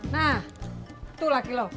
nah tuh laki lo